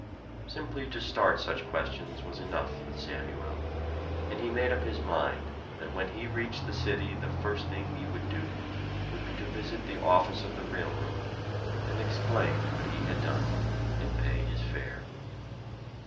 Simply to start such questions was enough, with Samuel; and he made up his mind that when he reached the city the first thing he would do would be to visit the office of the railroad, and explain what he had done, and pay his fare.